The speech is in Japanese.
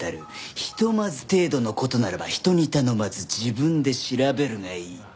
ひとまず程度の事ならば人に頼まず自分で調べるがいい。